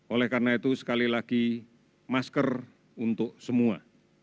oleh karena itu sekali lagi masker untuk semua